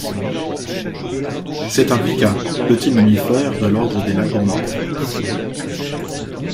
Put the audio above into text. C'est un pika, petit mammifère de l’ordre des lagomorphes.